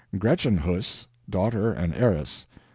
Gretchen Huss, daughter and heiress.